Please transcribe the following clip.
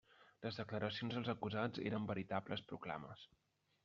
Les declaracions dels acusats eren veritables proclames.